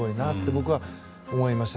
僕は思いました。